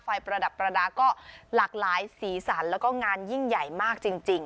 ประดับประดาษก็หลากหลายสีสันแล้วก็งานยิ่งใหญ่มากจริง